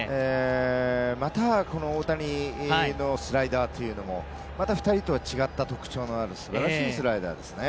また大谷のスライダーというのもまた２人とは違ったすばらしいスライダーですね。